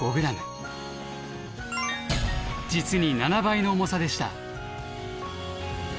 実に７倍の重さでした。